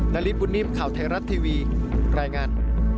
นาริสบุญนิ่มข่าวไทยรัฐทีวีรายงาน